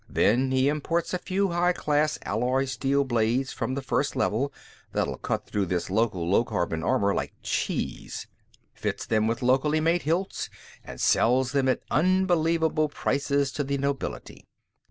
Then, he imports a few high class alloy steel blades from the First Level, that'll cut through this local low carbon armor like cheese. Fits them with locally made hilts and sells them at unbelievable prices to the nobility.